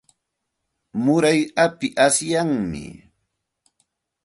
Muray api asyami.